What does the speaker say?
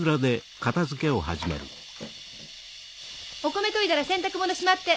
お米といだら洗濯物しまって。